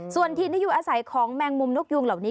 ส่วนถิ่นที่อยู่อาศัยของแมงมุมนกยูงเหล่านี้